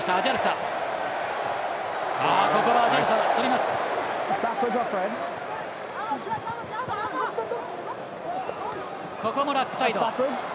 ここもラックサイド。